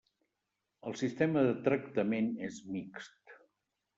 El sistema de tractament és mixt.